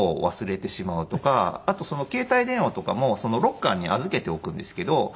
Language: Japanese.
あと携帯電話とかもロッカーに預けておくんですけど。